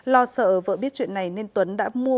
lo sợ vợ biết chuyện này nên tuấn đã mua